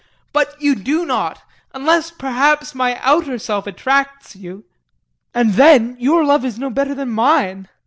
But you do not unless perhaps my outer self attracts you. And then your love is no better than mine.